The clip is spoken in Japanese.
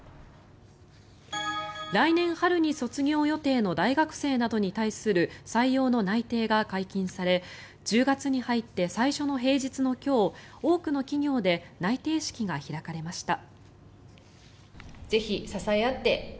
来年春に卒業予定の大学生などに対する採用の内定が解禁され１０月に入って最初の平日の今日多くの企業で内定式が開かれました。